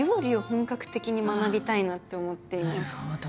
なるほど。